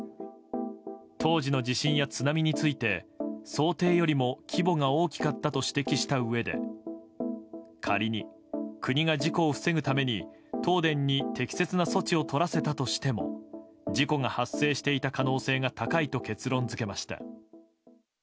当時の地震や津波について想定よりも規模が大きかったと指摘したうえで仮に国が事故を防ぐために東電に適切な措置を取らせたとしても事故が発生していた可能性が高いと結論付けました。